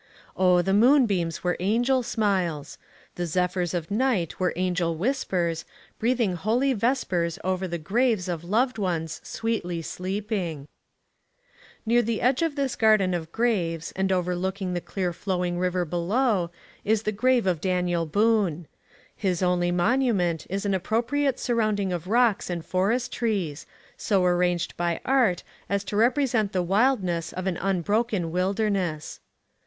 Oh, the moon beams were angel smiles! the zephyrs of night were angel whispers, breathing holy vespers over the graves of loved ones sweetly sleeping ! Near the edge of this garden of graves, and overlook ing the clear flowing river below, is the grave of Daniel Boone. His only monument is an appropriate surround ing of rocks and forest trees, so arranged by art as to represent the wildness of an unbroken wilderness.